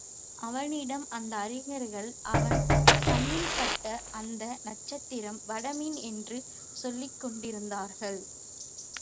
அவனிடம் அந்த அறிஞர்கள் அவன் கண்ணில்பட்ட அந்த நட்சத்திரம் வடமீன் என்று சொல்லிக்கொண்டிருந்தார்கள்.